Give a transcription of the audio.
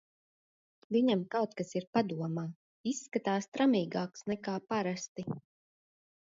Viņam kaut kas ir padomā, izskatās tramīgāks nekā parasti.